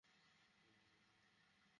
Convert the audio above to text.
তাঁর পরিকল্পনা বোঝা দায়।